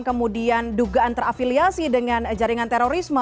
kemudian dugaan terafiliasi dengan jaringan terorisme